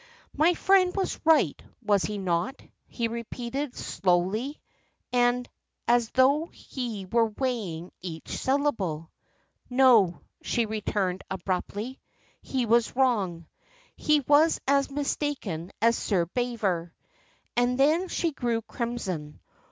"My friend was right, was he not?" he repeated, slowly, and as though he were weighing each syllable. "No," she returned, abruptly; "he was wrong. He was as mistaken as Sir Bever." And then she grew crimson.